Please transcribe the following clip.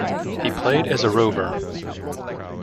He played as a rover.